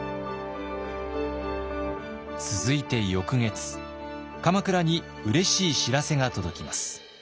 続いて翌月鎌倉にうれしい知らせが届きます。